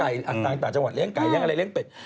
เลี้ยงไก่ต่างจังหวัดเลี้ยงไก่เลี้ยงอะไรเลี้ยงเป็ด